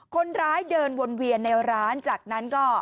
คนร้ายเดินวนเวียนในร้านจากนั้นก็